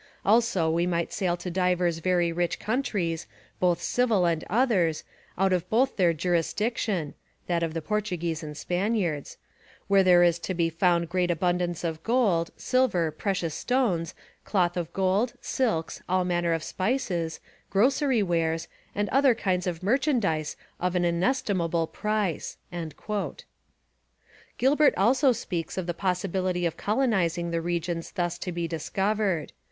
Also we might sail to divers very rich countries, both civil and others, out of both their jurisdiction [that of the Portuguese and Spaniards], where there is to be found great abundance of gold, silver, precious stones, cloth of gold, silks, all manner of spices, grocery wares, and other kinds of merchandise of an inestimable price. Gilbert also speaks of the possibility of colonizing the regions thus to be discovered.